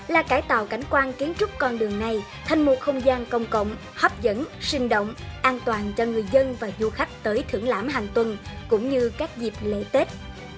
là cải tạo cảnh quan kiến trúc con đường này thành một không gian công cộng hấp dẫn sinh động an toàn cho người dân và du khách tới thưởng lãm hàng tuần cũng như các dịp lễ tết